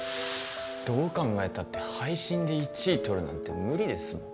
どう考えたって配信で１位とるなんて無理ですもん